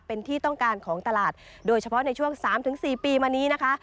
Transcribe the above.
เป็นที่ต้องการของตลาดโดยเฉพาะในช่วง๓๔ปีมานี้นะคะ